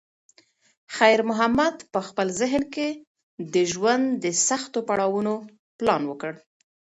خیر محمد په خپل ذهن کې د ژوند د سختو پړاوونو پلان وکړ.